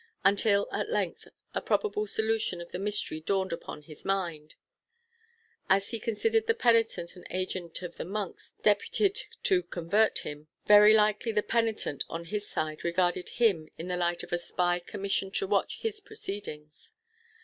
Until at length a probable solution of the mystery dawned upon his mind. As he considered the penitent an agent of the monks deputed to convert him, very likely the penitent, on his side, regarded him in the light of a spy commissioned to watch his proceedings.